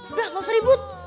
udah gak usah ribut